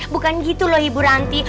bukan gitu loh ibu ranti